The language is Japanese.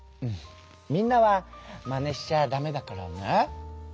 みんなはマネしちゃダメだからね。